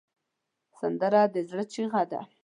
سندره د زړه چیغه ده